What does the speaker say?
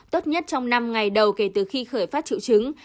tốt nhất trong năm ngày đầu kể từ khi khởi phát triệu chứng